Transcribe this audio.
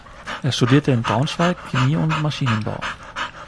Er studierte in Braunschweig Chemie und Maschinenbau.